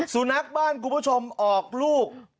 สุนัขบ้านคุณผู้ชมออกลูก